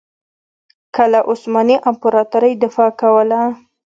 که له عثماني امپراطورۍ دفاع کوله.